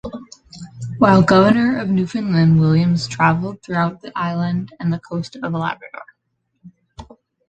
While governor of Newfoundland Williams travelled throughout the island and the coast of Labrador.